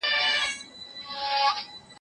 مسخره هغه ده، چي ولگېږي، يا و نه لگېږي.